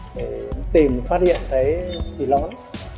để tìm phát hiện thấy xì lón